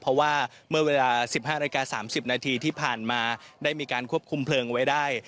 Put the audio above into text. เพราะว่าเมื่อเวลา๑๕นาฬิกา๓๐นาทีที่ผ่านมาได้มีการควบคุมเพลิงไว้ได้